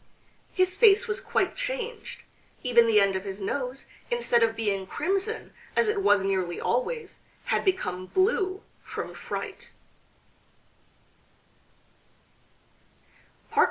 His face was quite changed; even the end of his nose, instead of being crimson, as it was nearly always, had become blue from fright.